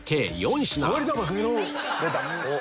出た！